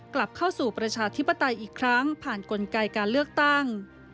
กลับเข้าสู่ประชาธิปไตยอีกครั้งผ่านกลไกการเลือกตั้ง